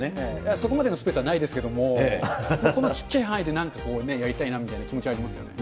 そこまでのスペースはないですけども、このちっちゃい範囲でなんとかこうね、やりたいなみたいな気持ちありますよね。